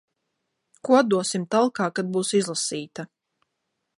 Ko atdosim talkā, kad būs izlasīta.